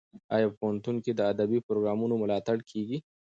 ایا په پوهنتون کې د ادبي پروګرامونو ملاتړ کیږي؟